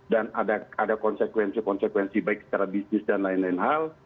dan ada konsekuensi konsekuensi baik secara bisnis dan lain lain hal